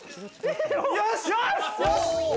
よし！